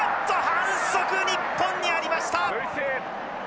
反則日本にありました。